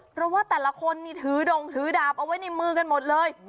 เพราะว่าแต่ละคนนี่ถือดงถือดาบเอาไว้ในมือกันหมดเลย